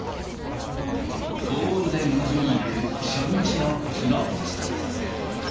ゴールデンウィーク初日のきのう。